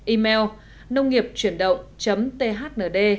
email nông nghiệpchuyểnđộng thnd